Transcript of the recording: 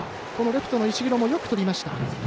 レフトの石黒もよくとりました。